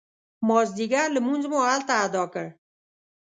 مازدیګر لمونځ مو هلته اداء کړ.